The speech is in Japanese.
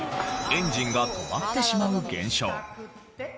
エンジンが止まってしまう現象。